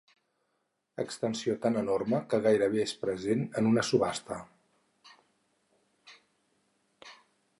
Extensió tan enorme que gairebé és present en una subhasta.